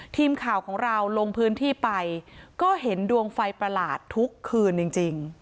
ทีมข่าวของเราลงพื้นที่ไปก็เห็นดวงไฟประหลาดทุกคืนจริง